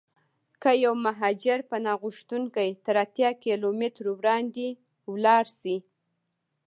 که یو مهاجر پناه غوښتونکی تر اتیا کیلومترو وړاندې ولاړشي.